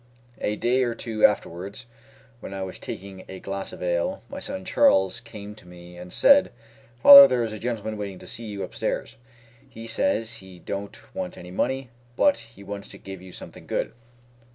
A day or two afterwards when I was taking a glass of ale, my son Charles came to me and said, "Father, there is a gentleman waiting to see you upstairs. He says he don't want any money, but he wants to give you something good."